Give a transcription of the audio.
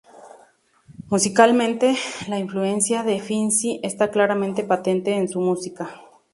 Musicalmente, la influencia de Finzi está claramente patente en su música.